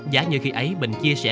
giả như khi ấy bình chia sẻ